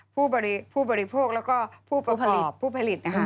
ผู้บริโภคแล้วก็ผู้ประกอบผู้ผลิต